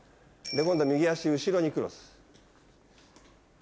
今度は右足後ろにクロス。